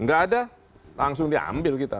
nggak ada langsung diambil kita